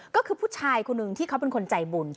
ก็คือผู้ชายคนหนึ่งที่เขาเป็นคนใจบุญ